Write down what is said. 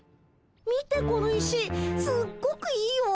見てこの石すっごくいいよ。